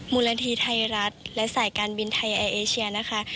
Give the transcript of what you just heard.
มูลนิธิไทยรัฐและสายการบินไทยแอร์เอเชียนะคะ